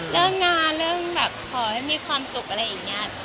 เริ่มนานเรื่องขอให้มีความสุขอะไรอย่างเงี้ย